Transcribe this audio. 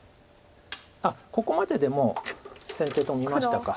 あっここまででもう先手と見ましたか。